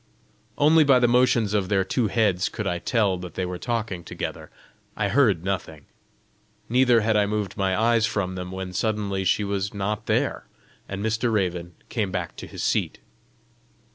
Only by the motions of their two heads could I tell that they were talking together; I heard nothing. Neither had I moved my eyes from them, when suddenly she was not there, and Mr. Raven came back to his seat.